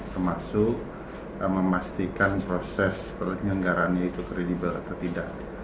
termasuk memastikan proses penyelenggaraannya itu kredibel atau tidak